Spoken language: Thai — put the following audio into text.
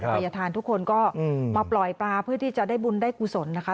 พยาบาลทุกคนก็มาปล่อยปลาเพื่อที่จะได้บุญได้กุศลนะคะ